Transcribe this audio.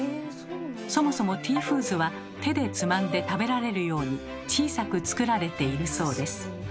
そもそもティーフーズは手でつまんで食べられるように小さく作られているそうです。